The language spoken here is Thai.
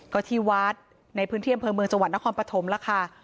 ก็ที่วัดในพื้นที่อำเภอเมืองจังหวัดนครปฐมแล้วค่ะ